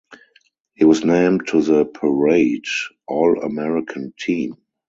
He was named to the "Parade" All-American Team.